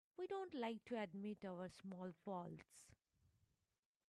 We don't like to admit our small faults.